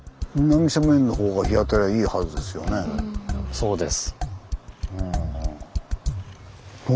そうです。